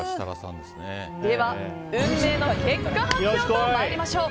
では運命の結果発表と参りましょう。